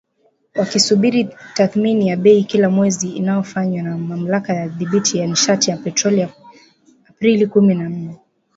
Wakisubiri tathmini ya bei kila mwezi inayofanywa na Mamlaka ya Udhibiti wa Nishati na Petroli Aprili kumi na nne